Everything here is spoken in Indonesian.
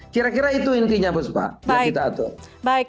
kira kira itu intinya pak